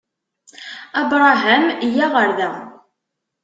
Abṛaham! Yya ɣer da!